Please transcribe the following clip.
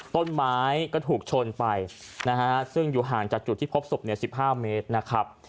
ต้นไม้ก็ถูกชนไปนะฮะซึ่งอยู่ห่างจากจุดที่พบศพ๑๕เมตรนะครับ